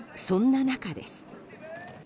そんな中です。